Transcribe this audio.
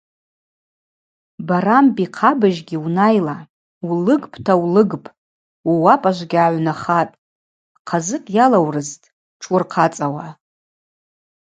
Барамби-хъабыжьгьи унайла, улыгпӏта улыгпӏ, ууапӏажвгьи гӏагӏвнахатӏ, ахъазыкӏ йалаурыдзтӏ тшуырхъацӏауа.